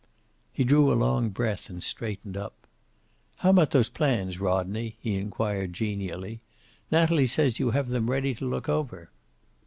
He drew a long breath and straightened up. "How about those plans, Rodney?" he inquired genially. "Natalie says you have them ready to look over."